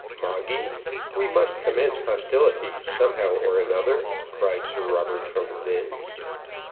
"Moggy, we must commence hostilities somehow or another," cried Sir Robert from within.